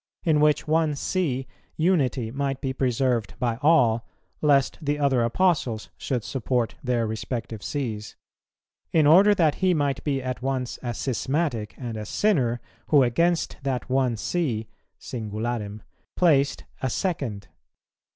. in which one See unity might be preserved by all, lest the other Apostles should support their respective Sees; in order that he might be at once a schismatic and a sinner, who against that one See (singularem) placed a second.